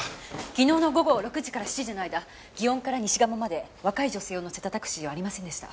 昨日の午後６時から７時の間園から西賀茂まで若い女性を乗せたタクシーはありませんでした。